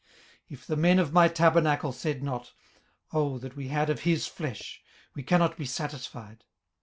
18:031:031 If the men of my tabernacle said not, Oh that we had of his flesh! we cannot be satisfied.